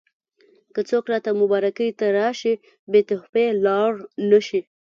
که څوک راته مبارکۍ ته راشي بې تحفې لاړ نه شي.